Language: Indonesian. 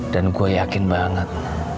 dan gue yakin banget